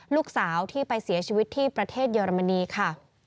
ลูกสาวที่ไปเสียชีวิตที่ประเทศเยอรมนีค่ะ